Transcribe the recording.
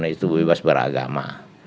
itu bebas beragama